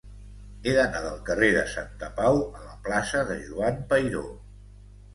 He d'anar del carrer de Santapau a la plaça de Joan Peiró.